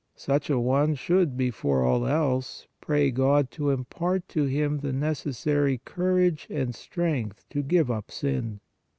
Such a one should, before all else, pray God to impart to him the necessary cour age and strength to give up sin.